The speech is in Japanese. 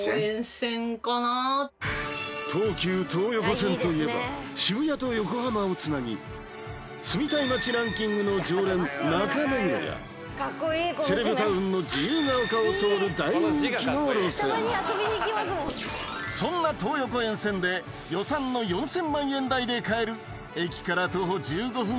東急東横線といえば渋谷と横浜をつなぎ住みたい街ランキングの常連中目黒やセレブタウンの自由が丘を通る大人気の路線そんな東横沿線で予算の４０００万円台で買える駅から徒歩１５分